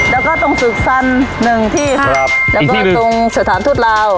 แล้วก็ตรงศึกษันหนึ่งที่ค่ะหิวอัพแล้วตรงสถานทูตลาว